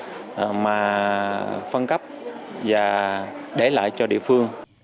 các cái nguồn lực mà phân cấp và để lại cho địa phương